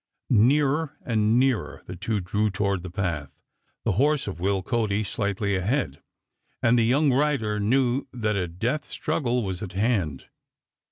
Nearer and nearer the two drew toward the path, the horse of Will Cody slightly ahead, and the young rider knew that a death struggle was at hand.